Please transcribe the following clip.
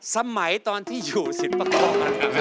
สมัยตอนที่อยู่สินประคอง